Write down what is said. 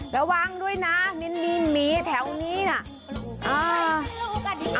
ระวังด้วยนะนิ่งหมีแถวนี้น่ะ